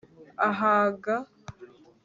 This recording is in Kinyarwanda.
ahaga